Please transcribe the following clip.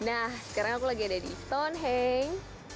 nah sekarang aku lagi ada di stonehenge